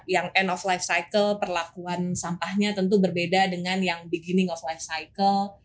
yang end of life cycle perlakuan sampahnya tentu berbeda dengan yang beginning of life cycle